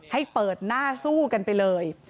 ให้เปิดหน้าสู้กันไปเลย